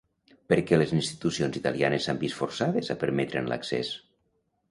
Per què les institucions italianes s'han vist forçades a permetre'n l'accés?